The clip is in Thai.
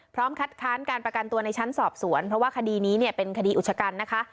คัดค้านการประกันตัวในชั้นสอบสวนเพราะว่าคดีนี้เนี่ยเป็นคดีอุชกันนะคะ